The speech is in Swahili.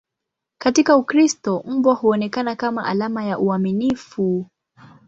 Katika Ukristo, mbwa huonekana kama alama ya uaminifu.